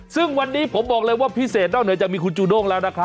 ซึ่งวันนี้ผมบอกเลยว่าพิเศษนอกเหนือจากมีคุณจูด้งแล้วนะคะ